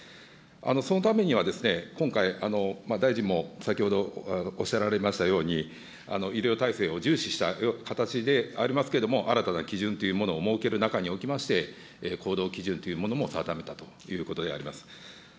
そのためには、今回、大臣も先ほどおっしゃられましたように、医療体制を重視した形でありますけれども、新たな基準というものを設ける中におきまして、行動基準というものも定めたということであります。